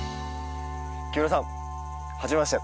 木村さんはじめまして。